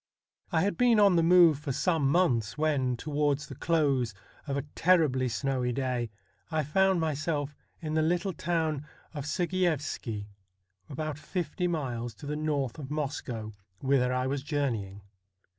I had been on the move for some months, when, towards the close of a terribly snowy day, I found myself in the little town of Sergiyevski, about fifty miles to the north of Moscow, 26 STORIES WEIRD AND WONDERFUL whither I was journeying.